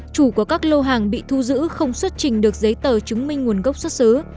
chủ của các lô hàng bị thu giữ không xuất trình được giấy tờ chứng minh nguồn gốc xuất xứ